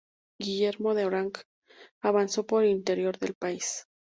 Guillermo de Orange avanzó por el interior del país.